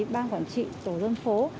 ban quản trị tổ dân phố